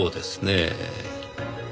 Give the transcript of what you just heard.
え？